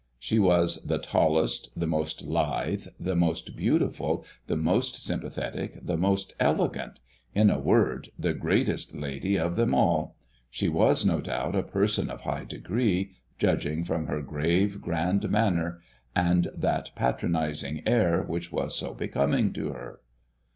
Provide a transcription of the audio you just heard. She was the tallest, the most lithe, the most beautiful, the most sympathetic, the most elegant, in a word, the greatest lady of them all. She was no doubt a person of high degree, judging from her grave, grand manner and that patronizing air which was so becoming to her.